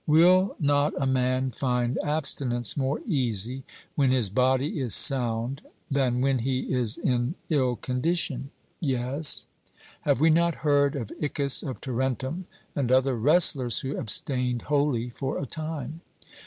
Will not a man find abstinence more easy when his body is sound than when he is in ill condition? 'Yes.' Have we not heard of Iccus of Tarentum and other wrestlers who abstained wholly for a time?